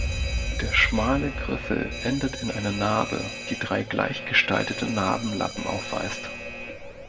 Der schmale Griffel endet in einer Narbe, die drei gleich gestaltete Narbenlappen aufweist.